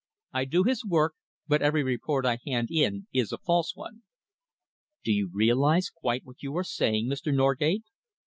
I do his work, but every report I hand in is a false one." "Do you realise quite what you are saying, Mr. Norgate?"